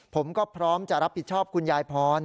ผมก็พร้อมจะรับผิดชอบคุณยายพร